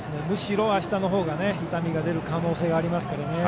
むしろ、あしたのほうが痛みが出る可能性がありますから。